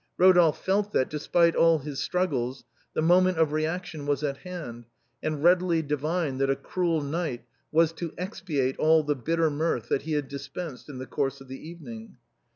Eodolphe felt that, despite all his struggles, the moment of reaction was at hand, and readily divined that a cruel night was to expiate all the bitter mirth that he had dispensed in the course of the evening.